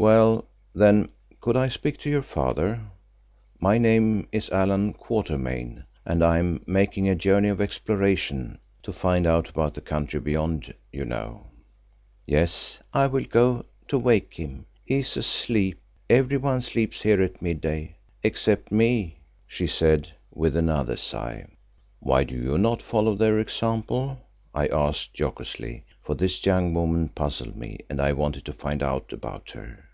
"Well, then, could I speak to your father? My name is Allan Quatermain and I am making a journey of exploration, to find out about the country beyond, you know." "Yes, I will go to wake him. He is asleep. Everyone sleeps here at midday—except me," she said with another sigh. "Why do you not follow their example?" I asked jocosely, for this young woman puzzled me and I wanted to find out about her.